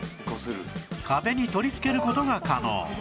壁に取りつける事が可能